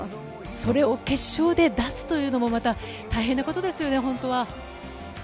それを決勝で出すというのもまた、大変なことですよね、本当は。